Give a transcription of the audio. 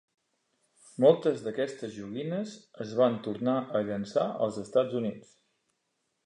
Moltes d'aquestes joguines es van tornar a llançar als Estats Units.